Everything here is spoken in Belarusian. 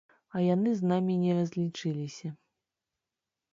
А яны з намі не разлічыліся.